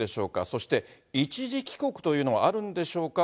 そして、一時帰国というのはあるんでしょうか。